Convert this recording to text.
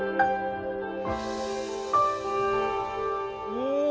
お！